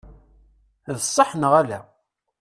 D sseḥ neɣ ala?